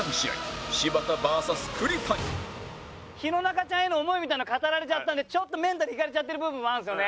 弘中ちゃんへの思いみたいなの語られちゃったんでちょっとメンタルいかれちゃってる部分もあるんですよね。